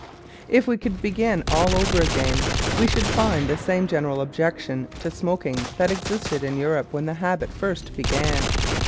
If we could begin all over again, we should find the same general objection to smoking that existed in Europe when the habit first began.